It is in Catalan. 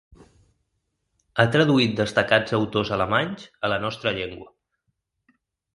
Ha traduït destacats autors alemanys a la nostra llengua.